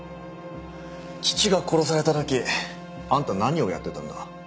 父が殺された時あんた何をやってたんだ？